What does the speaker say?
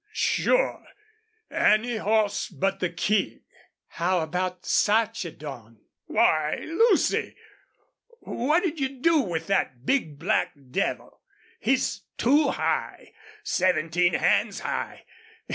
"Sure; any horse but the King." "How about Sarchedon?" "Why, Lucy, what'd you do with that big black devil? He's too high. Seventeen hands high!